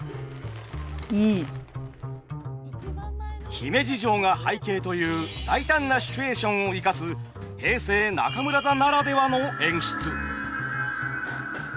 姫路城が背景という大胆なシチュエーションを生かす平成中村座ならではの演出。